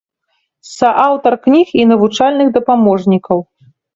Сааўтар кніг і навучальных дапаможнікаў.